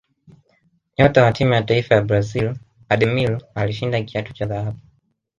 nyota wa timu ya taifa ya brazil ademir alishinda kiatu cha dhahabu